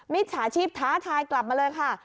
จฉาชีพท้าทายกลับมาเลยค่ะ